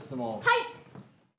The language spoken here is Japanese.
はい！